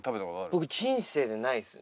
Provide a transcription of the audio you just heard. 僕人生でないです。